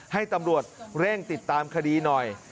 ให้ตำรวจเร่งติดตามคดีหน่อย